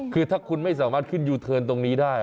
คือถ้าคุณไม่สามารถขึ้นยูเทิร์นตรงนี้ได้